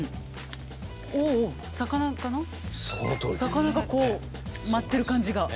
魚がこう舞ってる感じが。